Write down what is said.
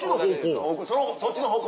そっちの方向？